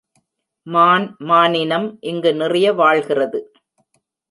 மான் மானினம் இங்கு நிறைய வாழ்கிறது.